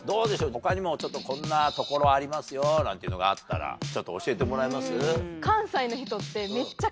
他にもこんなところありますよなんていうのがあったらちょっと教えてもらえます？